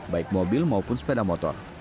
baik mobil maupun sepeda motor